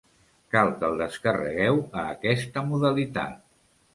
Cal que el descarregueu a aquesta modalitat.